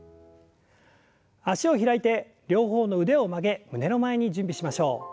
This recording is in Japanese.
脚を開いて両方の腕を曲げ胸の前に準備しましょう。